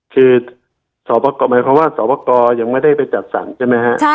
คือสอปกรหมายความว่าสอปกรยังไม่ได้ไปจัดสรรใช่ไหมฮะ